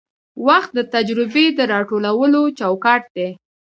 وخت د تجربې د راټولولو چوکاټ دی.